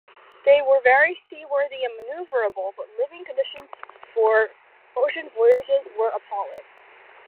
They were very seaworthy and maneuverable, but living conditions for ocean voyages were appalling.